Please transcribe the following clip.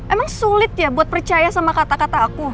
emang sulit ya buat percaya sama kata kata aku